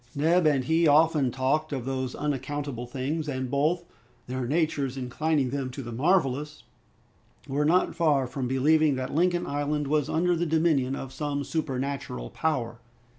Neb and he often talked of those unaccountable things, and both, their natures inclining them to the marvelous, were not far from believing that Lincoln Island was under the dominion of some supernatural power.